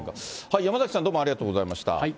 山崎さん、どうもありがとうございました。